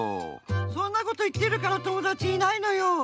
そんなこといってるから友だちいないのよ。